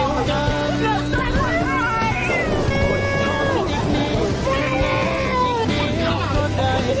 ขอบคุณครับ